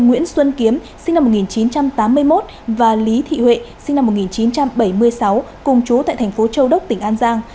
nguyễn xuân kiếm sinh năm một nghìn chín trăm tám mươi một và lý thị huệ sinh năm một nghìn chín trăm bảy mươi sáu cùng chú tại thành phố châu đốc tỉnh an giang